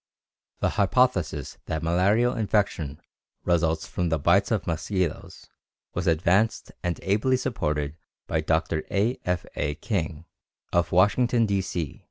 The hypothesis that malarial infection results from the bites of mosquitoes was advanced and ably supported by Dr. A. F. A. King, of Washington, D. C.